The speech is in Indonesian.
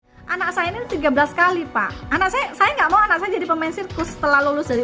hai anak saya tiga belas kali pak anak saya saya nggak mau anaknya jadi pemain sirkus telah lulus dari